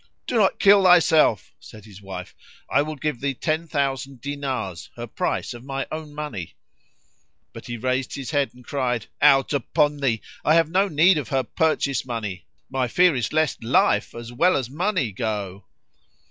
"Do not kill thyself," said his wife, "I will give thee ten thousand dinars, her price, of my own money." But he raised his head and cried, "Out upon thee! I have no need of her purchase money: my fear is lest life as well as money go."